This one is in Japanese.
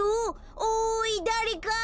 おいだれか！